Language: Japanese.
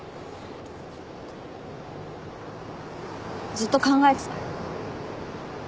ずっと考えてた。